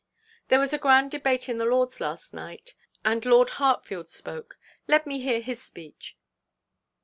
There was a grand debate in the Lords last night, and Lord Hartfield spoke. Let me hear his speech.